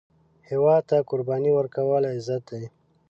هیواد ته قرباني ورکول، عزت دی